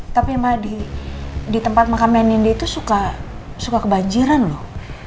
tapi ma di tempat makamnya nindi tuh suka kebanjiran loh